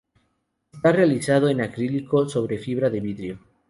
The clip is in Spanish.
Está realizado en acrílico sobre fibra de vidrio.